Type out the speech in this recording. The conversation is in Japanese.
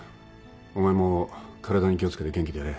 お前も体に気をつけて元気でやれ。